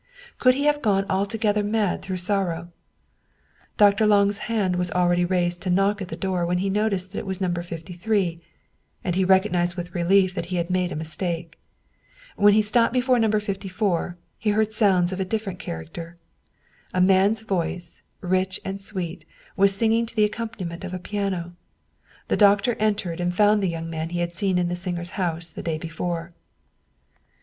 Could he have gone altogether mad through sorrow? Dr. Lange's hand was already raised to knock at the door when he noticed that it was No. 53, and he recognized with relief that he had made a mistake. When he stopped before No. 54, he heard sounds of a different character. A man's voice, rich and sweet, was singing to the accompaniment of a piano. The doctor en^ tered and found the young man he had seen in the singer's house the day before.